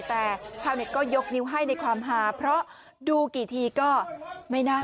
แต่ชัวร์เน็ตก็ยกนิ้วให้ในความภาพเมื่อเดี๋ยวดูกี่ทีก็ไม่น่ากลัว